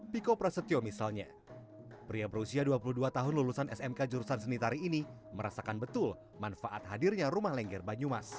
piko prasetyo misalnya pria berusia dua puluh dua tahun lulusan smk jurusan seni tari ini merasakan betul manfaat hadirnya rumah lengger banyumas